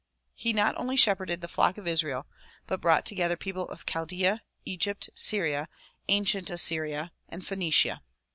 He not only shepherded the flock of Israel, but brought together people of Chaldea, Egypt, Syria, ancient Assyria and Phoenicia.